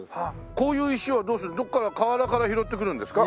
こういう石はどうするどこか河原から拾ってくるんですか？